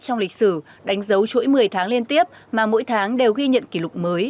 trong lịch sử đánh dấu chuỗi một mươi tháng liên tiếp mà mỗi tháng đều ghi nhận kỷ lục mới